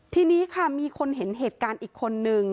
ทีนี้ค่ะมีคนเห็นเหตุการณ์อีกคนนึง